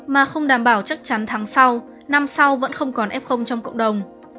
mà không đảm bảo chắc chắn tháng sau năm sau vẫn không còn f trong cộng đồng